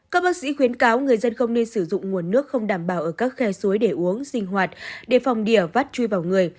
các bác sĩ khuyến cáo người dân không nên sử dụng nguồn nước không đảm bảo ở các khe suối để uống sinh hoạt đề phòng đỉa vắt chui vào người